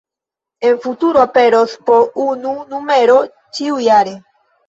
En futuro aperos po unu numero ĉiujare.